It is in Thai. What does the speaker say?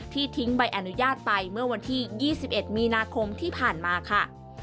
ทิ้งใบอนุญาตไปเมื่อวันที่๒๑มีนาคมที่ผ่านมาค่ะ